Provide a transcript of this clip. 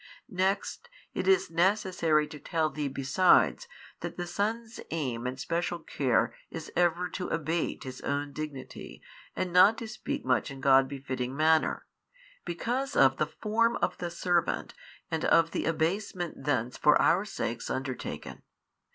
Next, it is necessary to tell thee besides that the Son's aim and special care is ever to abate His own Dignity and not to speak much in God befitting manner, because of the Form of the servant and of the abasement thence for our sakes undertaken.